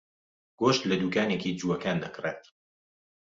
گۆشت لە دوکانێکی جووەکان دەکڕێت.